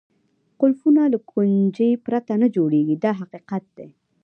قلفونه له کونجۍ پرته نه جوړېږي دا حقیقت دی.